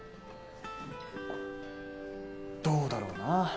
どうだろうなぁ。